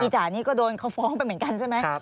จ่านี่ก็โดนเขาฟ้องไปเหมือนกันใช่ไหม